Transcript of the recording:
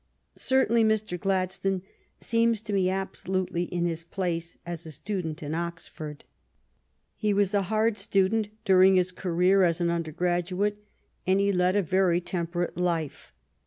Certainly Mr. Gladstone seems to me absolutely in his place as a student in Oxford. He was a hard student during his career as an undergrad uate, and he led a very temperate life.